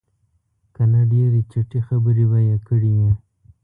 که نه ډېرې چټي خبرې به یې کړې وې.